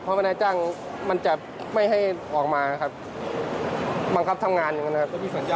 เพราะเวลาจ้างมันจะไม่ให้ออกมาครับบังคับทำงานอย่างนั้นนะครับ